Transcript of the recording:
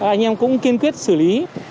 anh em cũng kiên quyết xử lý